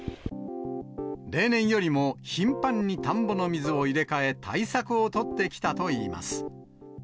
例年よりも頻繁に田んぼの水を入れ替え、対策を取ってきたといいます。